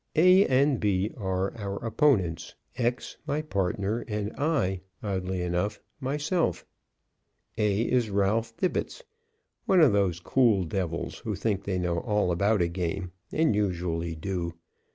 A and B are our opponents, X my partner, and I (oddly enough) myself. A is Ralph Thibbets, one of those cool devils who think they know all about a game, and usually do.